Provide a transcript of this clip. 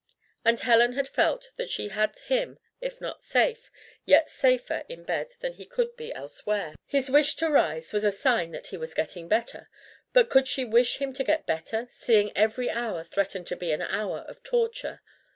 And Helen had felt that she had him, if not safe, yet safer in bed than he could be elsewhere. His wish to rise was a sign that he was getting better. But could she wish him to get better, seeing every hour threatened to be an hour of torture?